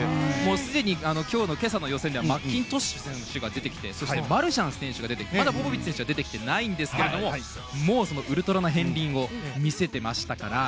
すでに今朝の予選ではマッキントッシュ選手が出てきてそしてマルシャン選手も出てきてまだポポビッチ選手は出てきていないんですがもう、ウルトラな片鱗を見せていましたから。